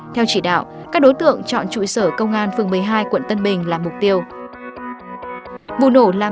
theo chỉ đạo các đối tượng chọn trụ sở công an phường một mươi hai quận tân bình là mục tiêu